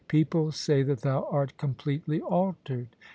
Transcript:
People say that thou art completely altered.